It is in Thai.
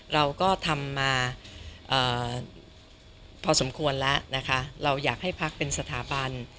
เราก็ทำมาพอสมควรแล้วนะคะเราอยากให้พักเป็นสถาบัน